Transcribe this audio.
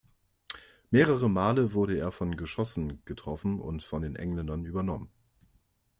Mehrere Male wurde er von Geschossen getroffen und von den Engländern übernommen.